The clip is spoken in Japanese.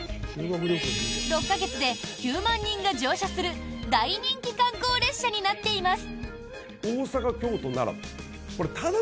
６か月で９万人が乗車する大人気観光列車になっています！